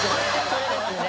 それですね。